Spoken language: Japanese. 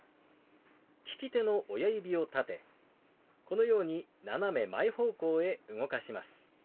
利き手の親指を立てこのように斜め前方向へ動かします。